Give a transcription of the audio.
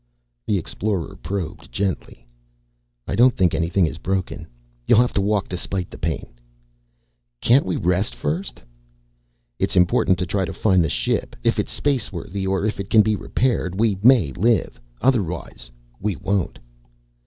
The Explorer probed gently. "I don't think anything is broken. You'll have to walk despite the pain." "Can't we rest first?" "It's important to try to find the ship. If it is spaceworthy or if it can be repaired, we may live. Otherwise, we won't."